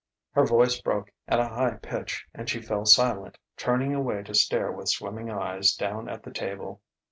Her voice broke at a high pitch, and she fell silent, turning away to stare with swimming eyes down at the table.